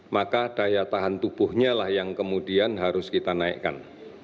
maka daya tahan tubuhnya lah yang kemudian harus kita naikkan